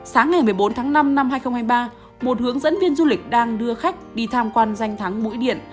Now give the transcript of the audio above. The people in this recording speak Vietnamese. sáng ngày một mươi bốn tháng năm năm hai nghìn hai mươi ba một hướng dẫn viên du lịch đang đưa khách đi tham quan danh thắng mũi điện